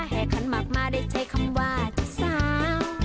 แห่คันมากมายได้ใช้คำว่าจ๋าซา